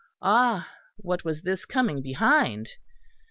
Ah! what was this coming behind?